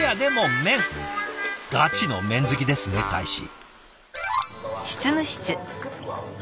ガチの麺好きですね大使。